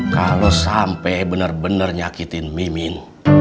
kalau sampai bener bener nyakitin mimin